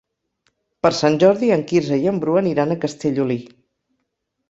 Per Sant Jordi en Quirze i en Bru aniran a Castellolí.